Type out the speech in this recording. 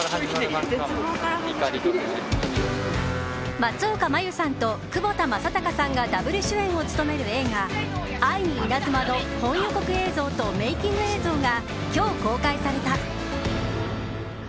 松岡茉優さんと窪田正孝さんがダブル主演を務める映画「愛にイナズマ」の本予告映像とメイキング映像が今日、公開された。